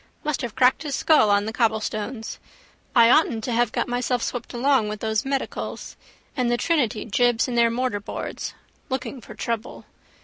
Must have cracked his skull on the cobblestones. I oughtn't to have got myself swept along with those medicals. And the Trinity jibs in their mortarboards. Looking for trouble.